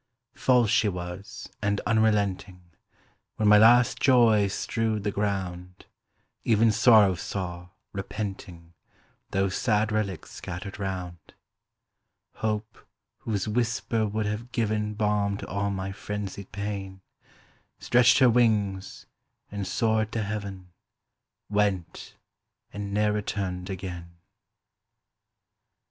False she was, and unrelenting; When my last joys strewed the ground, Even Sorrow saw, repenting, Those sad relics scattered round; Hope, whose whisper would have given Balm to all my frenzied pain, Stretched her wings, and soared to heaven, Went, and ne'er returned again!